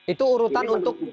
itu urutan untuk